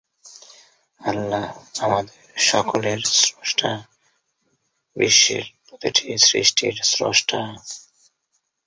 পশ্চিম বঙ্গে হাজারো শরণার্থী পর্যায় আসে।